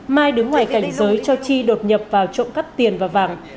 mai đứng ngoài cảnh giới cho chi đột nhập vào trộm cắp tiền và vàng